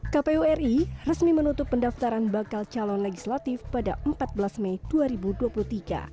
kpu ri resmi menutup pendaftaran bakal calon legislatif pada empat belas mei dua ribu dua puluh tiga